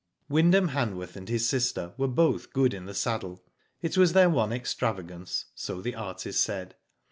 Wyndham Hanworth and his sister were both good in the saddle. It was their one extravagance, so the artist said.